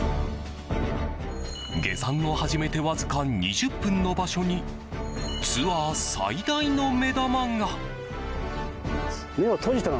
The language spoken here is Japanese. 下山を始めてわずか２０分の場所にツアー最大の目玉が。